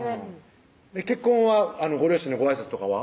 結婚はご両親のごあいさつとかは？